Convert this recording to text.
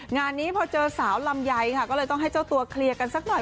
งานนี้พอเจอสาวลำไยค่ะก็เลยต้องให้เจ้าตัวเคลียร์กันสักหน่อย